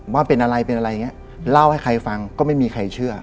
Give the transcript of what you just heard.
ว่าเป็นอะไรเป็นอะไรอย่างนี้เล่าให้ใครฟังก็ไม่มีใครเชื่อ